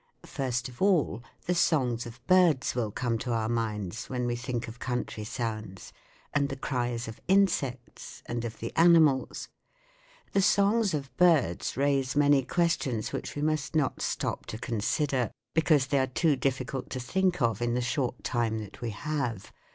First of all, the songs of birds will come to our minds when we think of country sounds, and the cries of insects, and of the animals. The songs of birds raise many questions which we must not stop to consider, ioo THE WORLD OF SOUND because they are too difficult to think of in the short time that we have.